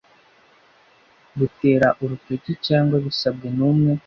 batera urutoki cyangwa bisabwe n umwe